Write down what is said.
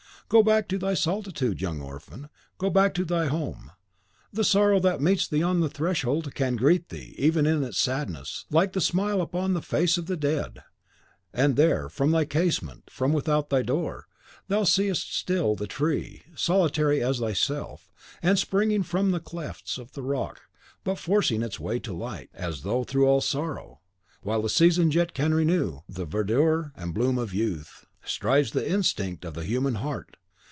Go back to thy solitude, young orphan, go back to thy home: the sorrow that meets thee on the threshold can greet thee, even in its sadness, like the smile upon the face of the dead. And there, from thy casement, and there, from without thy door, thou seest still the tree, solitary as thyself, and springing from the clefts of the rock, but forcing its way to light, as, through all sorrow, while the seasons yet can renew the verdure and bloom of youth, strives the instinct of the human heart!